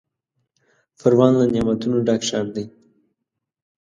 پروان له نعمتونو ډک ښار دی.